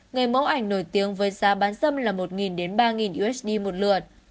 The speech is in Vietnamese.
người mẫu ảnh nổi tiếng với giá bán dâm là một đến ba usd một lượt